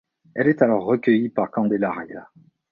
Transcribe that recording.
Elle est alors recueillie par Candelaria.